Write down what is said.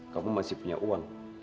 kamu masih punya uang